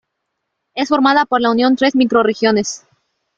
Es formada por la unión tres microrregiones.